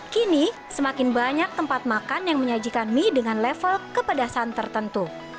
kini semakin banyak tempat makan yang menyajikan mie dengan level kepedasan tertentu